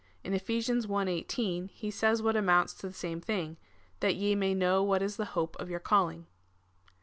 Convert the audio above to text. In Ephes. i. 18, he says what amounts to the same thing —" That ye may know what is the hope of your calling."